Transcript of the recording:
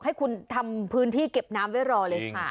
ให้คุณทำพื้นที่เก็บน้ำไว้รอเลยค่ะ